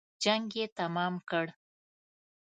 جنګ یې تمام کړ.